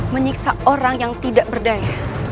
menyiksa orang yang tidak berdaya